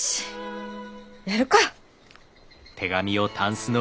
やるか！